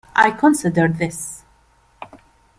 I considered this.